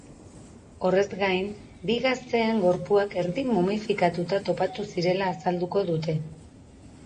Horrez gain, bi gazteen gorpuak erdi momifikatuta topatu zirela azalduko dute.